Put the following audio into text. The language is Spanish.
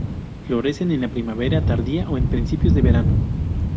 Florecen en la primavera tardía ó en principios de verano.